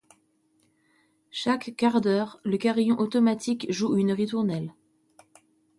Chaque quart d'heure, le carillon automatique joue une ritournelle.